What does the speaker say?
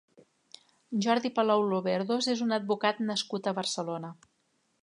Jordi Palou-Loverdos és un advocat nascut a Barcelona.